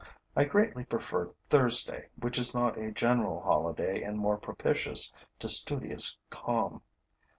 I greatly prefer Thursday, which is not a general holiday and more propitious to studious calm.